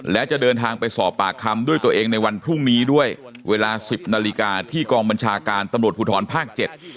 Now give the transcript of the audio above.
และจะเดินทางไปสอบปากคำด้วยตัวเองในวันพรุ่งนี้ด้วยเวลาสิบนาฬิกาที่กองบัญชาการตำรวจภูทรภาคเจ็ด